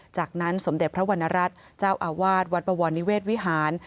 จากนั้นสมเด็จพระวรรณรัฐเจ้าอาวาสวัดบวรนิเวศวิหาร